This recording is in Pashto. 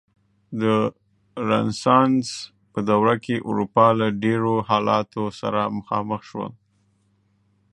د رنسانس په دوره کې اروپا له ډېرو تحولاتو سره مخامخ شول.